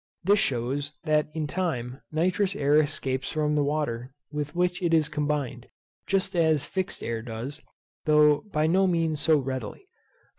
This shews that in time nitrous air escapes from the water with which it is combined, just as fixed air does, though by no means so readily.